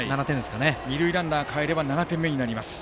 二塁ランナーがかえれば７点になります。